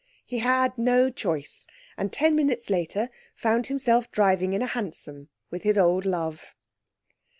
He had no choice, and ten minutes later found himself driving in a hansom with his old love.